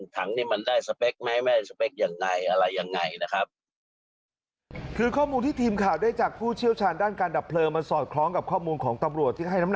ถังนี้มันได้สเปคไหม